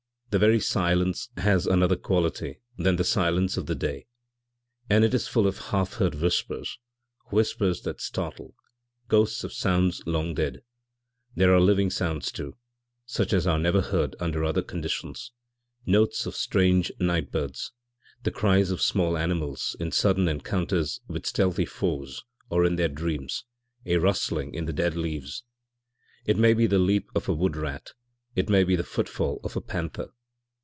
The very silence has another quality than the silence of the day. And it is full of half heard whispers whispers that startle ghosts of sounds long dead. There are living sounds, too, such as are never heard under other conditions: notes of strange night birds, the cries of small animals in sudden encounters with stealthy foes or in their dreams, a rustling in the dead leaves it may be the leap of a wood rat, it may be the footfall of a panther.